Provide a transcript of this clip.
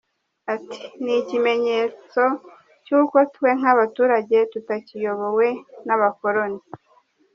Ati” N’ikimenyetso cy’uko twe nk’abaturage tutakiyobowe n’abakoloni.